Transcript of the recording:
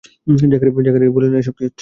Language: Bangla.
জাকারিয়া বললেন, এসব কি হচ্ছে?